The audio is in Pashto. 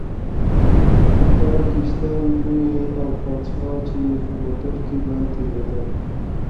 په ښار کې شته نجونې او پادشاه چې په موټر کې به تېرېده.